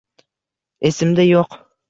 Esimda yo‘q.